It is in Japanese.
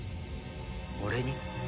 俺に？